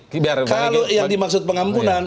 kalau yang dimaksud pengampunan